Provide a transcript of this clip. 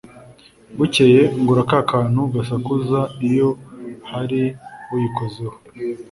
Bucyeye ngura ka kantu gasakuza iyo hari uyikozeho